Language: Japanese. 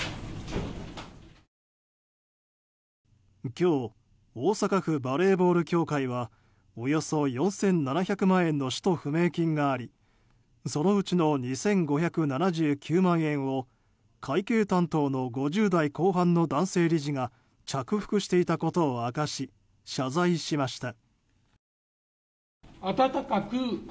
今日大阪府バレーボール協会はおよそ４７００万円の使途不明金がありそのうちの２５７９万円を会計担当の５０代後半の男性理事が着服していたことを明かし、謝罪しました。